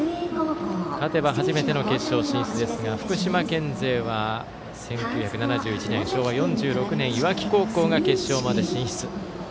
勝てば初めての決勝進出ですが福島県勢は１９７１年、昭和４６年磐城高校が決勝まで進出。